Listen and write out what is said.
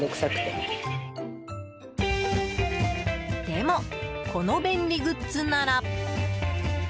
でも、この便利グッズなら。